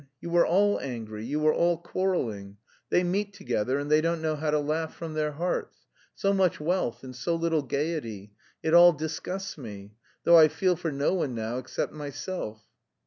You were all angry, you were all quarrelling. They meet together, and they don't know how to laugh from their hearts. So much wealth and so little gaiety. It all disgusts me. Though I feel for no one now except myself."